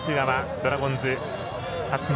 ドラゴンズ勝野